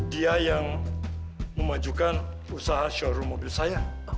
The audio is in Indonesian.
dia yang memajukan usaha showroom mobil saya